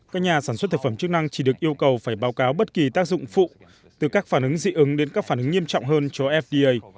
các nhà sản xuất thực phẩm chức năng chỉ được yêu cầu phải báo cáo bất kỳ tác dụng phụ từ các phản ứng dị ứng đến các phản ứng nghiêm trọng hơn cho fda